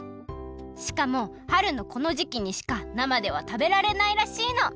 しかも春のこのじきにしかなまではたべられないらしいの。